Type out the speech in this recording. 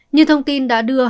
những thông tin đã đưa ra